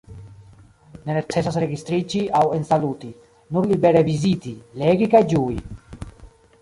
Ne necesas registriĝi aŭ ensaluti – nur libere viziti, legi kaj ĝui.